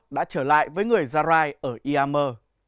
đã trở lại với người gia lai ở yama